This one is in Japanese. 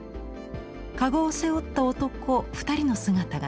籠を背負った男２人の姿が見えます。